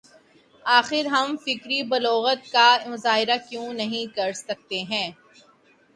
آخر ہم فکری بلوغت کا مظاہرہ کیوں نہیں کر سکتے ہیں؟